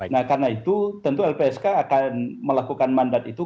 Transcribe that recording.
nah karena itu tentu lpsk akan melakukan mandat itu